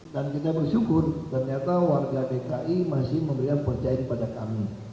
dan kita bersyukur ternyata warga dki masih memberikan percaya kepada kami